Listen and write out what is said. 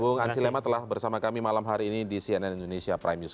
bung ansi lema telah bersama kami malam hari ini di cnn indonesia prime news